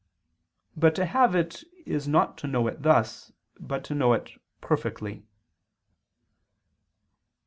But to have it is not to know it thus, but to know it perfectly.